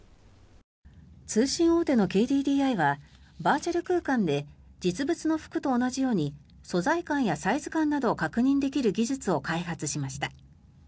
通信大手のＫＤＤＩはバーチャル空間で実物の服と同じように素材感やサイズ感などを確認できる技術を開発しました。